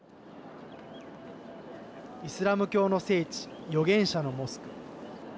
イスラム教の聖地預言者のモスク。